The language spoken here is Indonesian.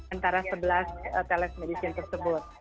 antara sebelas telemedicine tersebut